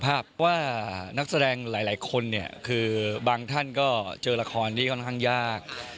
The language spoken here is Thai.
ภาพว่านักแสดงหลายคนเนี่ยคือบางท่านก็เจอละครที่ค่อนข้างยาก